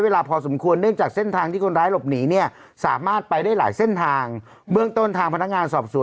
วันนี้ทำร้ายสถิติไปอยู่๒บาทแล้ว